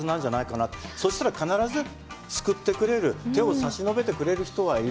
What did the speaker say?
そしたら必ず救ってくれる手を差し伸べてくれる人はいる。